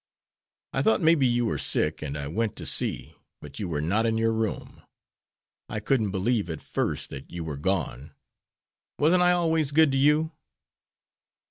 I thought maybe you were sick, and I went to see, but you were not in your room. I couldn't believe at first that you were gone. Wasn't I always good to you?"